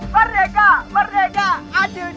merdeka merdeka acil jadi merdeka